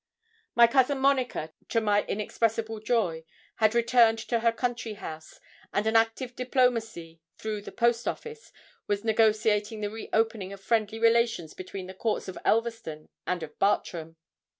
My cousin Monica, to my inexpressible joy, had returned to her country house; and an active diplomacy, through the post office, was negotiating the re opening of friendly relations between the courts of Elverston and of Bartram.